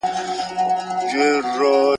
په هغه ګړي له لاري را ګوښه سول !.